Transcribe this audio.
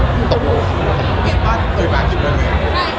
ปกติว่าเคยเคยคิดว่าแล้ว